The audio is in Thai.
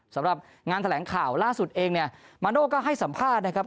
สำหรับงานแถลงข่าวล่าสุดเองเนี่ยมาโน่ก็ให้สัมภาษณ์นะครับ